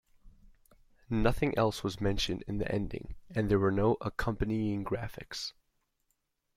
Nothing else was mentioned in the ending and there were no accompanying graphics.